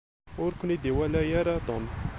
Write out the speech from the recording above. Ur ken-id-iwala ara Tom.